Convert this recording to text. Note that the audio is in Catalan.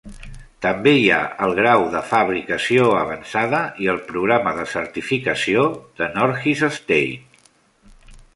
També hi ha el grau de fabricació avançada i el programa de certificació de Northeast State.